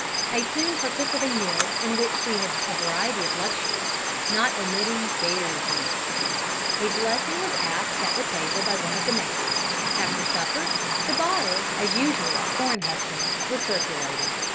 I soon partook of a meal in which we had a variety of luxuries, not omitting bear's meat. A blessing was asked at the table by one of the neighbors. After supper the bottle, as usual at corn huskings, was circulated.